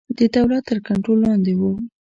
د دولت تر کنټرول لاندې وو.